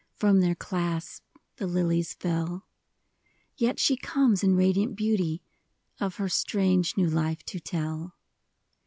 From their clasp the lilies fell ! Yet she comes, in radiant beauty. Of her strange new life to tell.